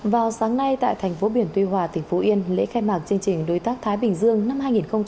vào sáng nay tại thành phố biển tuy hòa tỉnh phú yên lễ khai mạc chương trình đối tác thái bình dương năm hai nghìn hai mươi